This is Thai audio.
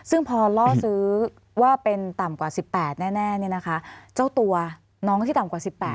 ซึ่งพอล่อซื้อว่าเป็นต่ำกว่า๑๘แน่เนี่ยนะคะเจ้าตัวน้องที่ต่ำกว่า๑๘